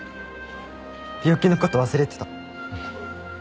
病気の事忘れてた。